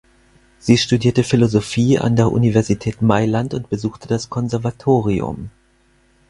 Sie studierte Philosophie an der Universität Mailand und besuchte das Konservatorium.